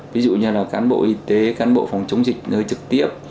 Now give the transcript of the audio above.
ví dụ như cán bộ y tế cán bộ phòng chống dịch ngơi trực tiếp